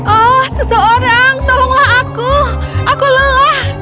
oh seseorang tolonglah aku aku lelah